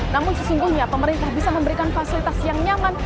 namun sesungguhnya pemerintah bisa memberikan fasilitas yang nyaman